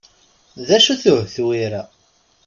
D acu-t uhetwir-a?